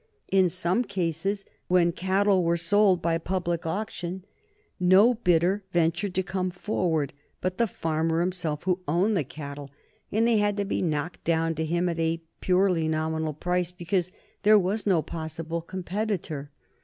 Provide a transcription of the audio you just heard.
In some cases when cattle were sold by public auction no bidder ventured to come forward but the farmer himself who owned the cattle, and they had to be knocked down to him at a purely nominal price because there was no possible competitor.